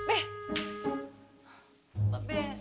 eh pak be